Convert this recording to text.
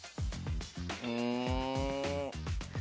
うん。